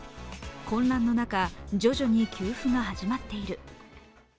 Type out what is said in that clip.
混乱の中、徐々に給付が始まっている。